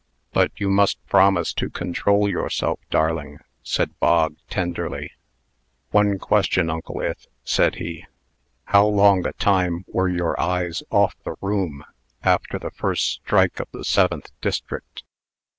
"But you must promise to control yoursell, darling," said Bog, tenderly. "One question, Uncle Ith," said he. "How long a time were your eyes off the room, after the first stroke for the Seventh District?"